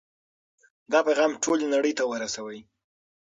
دا پیغام ټولې نړۍ ته ورسوئ.